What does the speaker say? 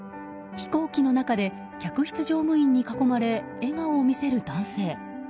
飛行機の中で客室乗務員に囲まれ笑顔を見せる男性。